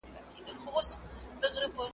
شیطان قوي دی د ملایانو .